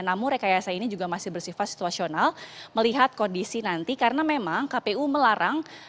namun rekayasa ini juga masih bersifat situasional melihat kondisi nanti karena memang kpu melarang